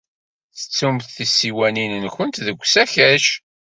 Tettumt tisiwanin-nwent deg usakac.